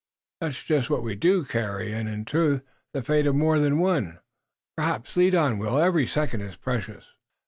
"That's just what we do carry. And, in truth, the fate of more than one, perhaps. Lead on, Will! Every second is precious!"